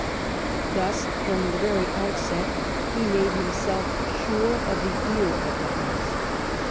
Thus from the very outset he made himself sure of the ear of the House.